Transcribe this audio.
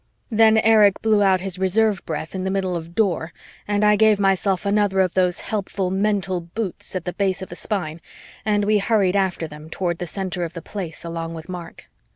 Then Erich blew out his reserve breath in the middle of "Door" and I gave myself another of those helpful mental boots at the base of the spine and we hurried after them toward the center of the Place along with Mark.